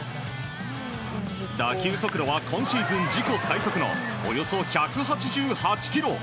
打球速度は今シーズン自己最速のおよそ１８８キロ。